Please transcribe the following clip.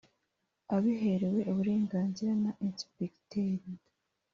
abiherewe uburenganzira na Ensipegiteri